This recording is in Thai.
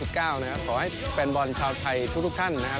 ขอให้แฟนบอลชาวไทยทุกท่านนะครับ